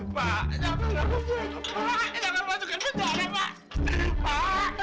pak jangan masukin penjara pak